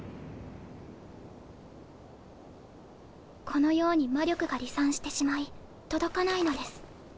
このように魔力が離散してしまい届かないのです。